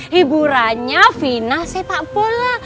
hiburannya final sepak bola